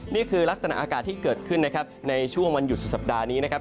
นี่คือลักษณะอากาศที่เกิดขึ้นนะครับในช่วงวันหยุดสุดสัปดาห์นี้นะครับ